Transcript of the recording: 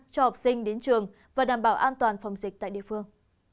cho học sinh đến trường và đảm bảo an toàn phòng dịch tại địa phương